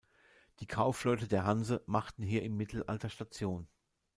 Die Kaufleute der Hanse machten hier im Mittelalter Station.